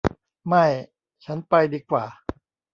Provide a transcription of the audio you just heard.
ไม่ ฉันไปดีกว่า